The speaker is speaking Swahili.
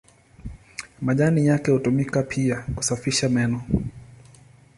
Majani yake hutumika pia kusafisha meno.